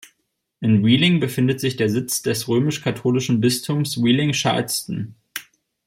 In Wheeling befindet sich der Sitz des römisch-katholischen Bistums Wheeling-Charleston.